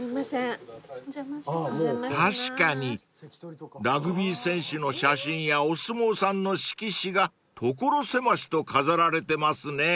［確かにラグビー選手の写真やお相撲さんの色紙が所狭しと飾られてますね］